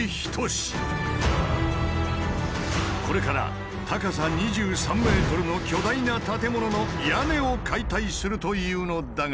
これから高さ２３ｍの巨大な建物の「屋根」を解体するというのだが。